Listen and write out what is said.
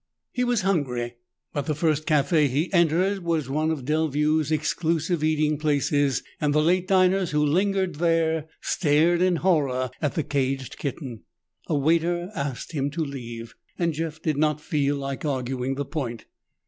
He was hungry, but the first café he entered was one of Delview's exclusive eating places and the late diners who still lingered there stared in horror at the caged kitten. A waiter asked him to leave, and Jeff did not feel like arguing the point.